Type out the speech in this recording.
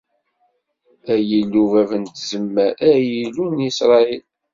Ay Illu bab n tzemmar, ay Illu n Isṛayil.